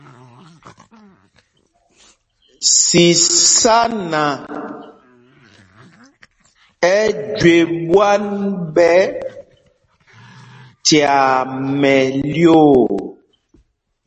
Sisána ɛ jüe ɓwán ɓɛ̄ tyaa mɛlyoo.